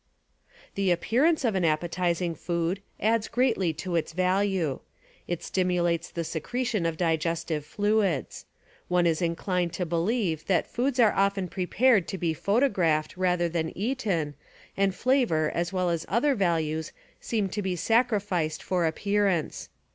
The appearance of an appetizing food adds greatly to its value. It stimulates the secretion of digestive fluids. One is inclined to believe that foods are often prepared to be photographed rather than eaten, and flavor as well as other values seem to be sacrificed for appearance.